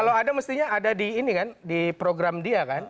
kalau ada mestinya ada di program dia kan